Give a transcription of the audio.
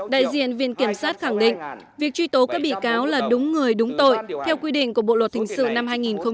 đại diện viện kiểm sát khẳng định việc truy tố các bị cáo là đúng người đúng tội theo quy định của bộ luật hình sự năm hai nghìn một mươi năm